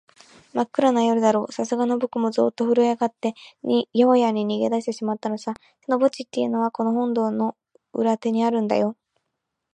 まっくらな夜だろう、さすがのぼくもゾーッとふるえあがって、やにわに逃げだしてしまったのさ。その墓地っていうのは、この本堂の裏手にあるんだよ。